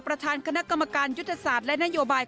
ประธานคณะกรรมการยุทธศาสตร์และนโยบาย